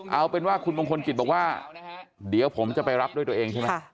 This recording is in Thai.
เอาเป็นว่าคุณมงคลกิจบอกว่าเดี๋ยวผมจะไปรับด้วยตัวเองใช่ไหม